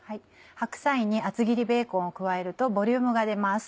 白菜に厚切りベーコンを加えるとボリュームが出ます。